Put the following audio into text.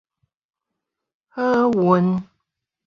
好運